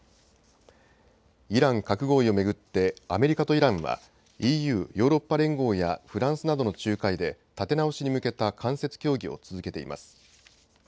イラン核合意を巡ってアメリカとイランはＥＵ・ヨーロッパ連合やフランスなどの仲介で立て直しに向けた間接協議を続けています。